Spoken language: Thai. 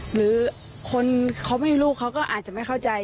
หรือคนเขาไม่รู้เขาก็อาจจะไม่เข้าใจ